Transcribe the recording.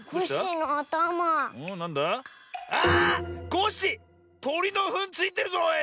コッシーとりのふんついてるぞおい！